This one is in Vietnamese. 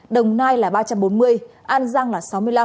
đồng nai là ba trăm bốn mươi an giang là sáu mươi năm